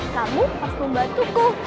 kamu harus membantuku